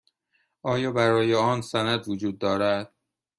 آیا برای آن سند وجود دارد؟